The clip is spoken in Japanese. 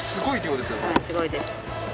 はいすごいです。